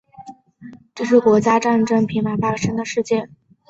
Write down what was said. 这是国家战争频繁发生的世界。